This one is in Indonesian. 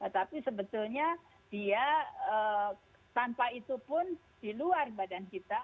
tapi sebetulnya dia tanpa itu pun di luar badan kita